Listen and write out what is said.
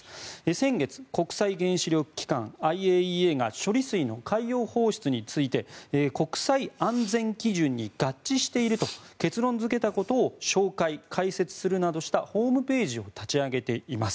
先月国際原子力機関・ＩＡＥＡが処理水の海洋放出について国際安全基準に合致していると結論付けたことを紹介・解説するなどしたホームページを立ち上げています。